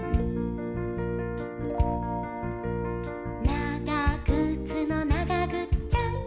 「ながぐつの、ながぐっちゃん！！」